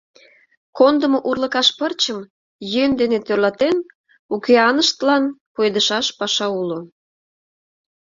Кондымо урлыкаш пырчым, йӧн дене тӧрлатен, укеаныштлан пуэдышаш паша уло.